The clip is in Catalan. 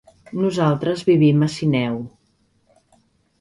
Nosaltres vivim a Sineu.